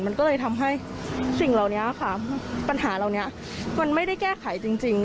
มันก็เลยทำให้สิ่งเหล่านี้ค่ะปัญหาเหล่านี้มันไม่ได้แก้ไขจริง